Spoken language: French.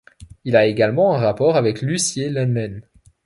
Il a également un rapport avec Lucié Lenlen.